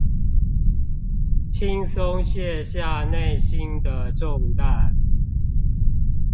輕鬆卸下內心的重擔